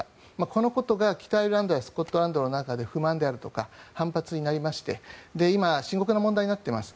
このことが北アイルランドやスコットランドの中で不満であるとか反発になりまして今、深刻な問題になっています。